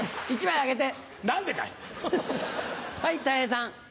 １枚あげて。